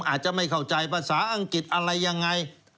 อาจจะไม่เข้าใจภาษาอังกฤษอะไรยังไง